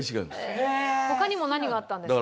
他にも何があったんですか？